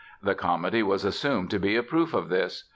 The comedy was assumed to be a proof of this.